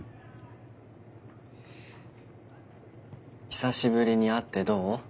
久しぶりに会ってどう？